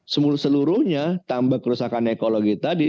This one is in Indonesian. seluruhnya tambah kerusakan ekologi tadi